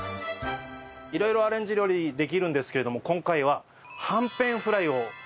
色々アレンジ料理できるんですけれども今回ははんぺんフライを推したいと思います。